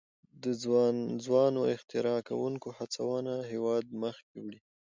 د ځوانو اختراع کوونکو هڅونه هیواد مخکې وړي.